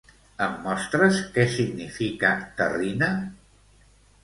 Em mostres què significa terrina?